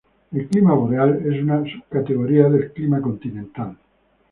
El clima boreal es una subcategoría del clima continental.